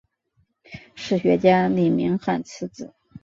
史学家李铭汉次子。